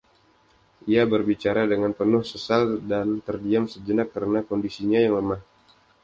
Ia berbicara dengan penuh sesal dan terdiam sejenak karena kondisinya yang lemah.